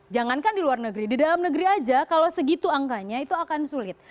jangankan di luar negeri di dalam negeri aja kalau segitu angkanya itu akan sulit